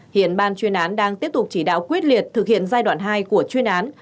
hiện ban chuyên án đang tiếp tục chỉ đạo quyết liệt thực hiện giai đoạn hai của chuyên án